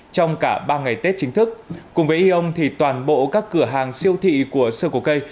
trong cả ba ngày tết chính thức cùng với eon thì toàn bộ các cửa hàng siêu thị của sơ cổ cây